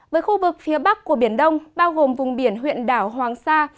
với khu vực phía bắc của biển đông bao gồm vùng biển huyện đảo hoàng sa